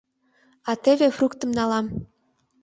А теве фруктым налам.